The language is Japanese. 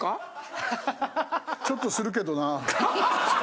・ハハハッ・ちょっとするけどな。